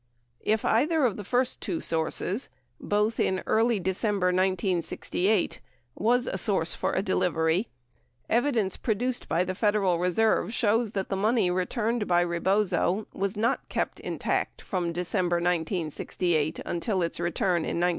If either of the first two sources — both in early December 1968 — was a source for a delivery, evidence produced by the Federal Reserve shows that the money returned by Rebozo was not kept intact from December 1968 until its return in 1973.